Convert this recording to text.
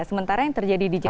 sementara yang terjadi di jakarta